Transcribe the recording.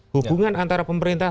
hubungan antara pemerintah